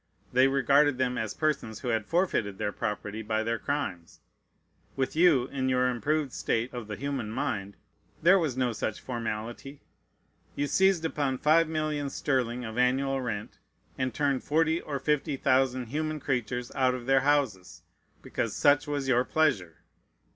They regarded them as persons who had forfeited their property by their crimes. With you, in your improved state of the human mind, there was no such formality. You seized upon five millions sterling of annual rent, and turned forty or fifty thousand human creatures out of their houses, because "such was your pleasure."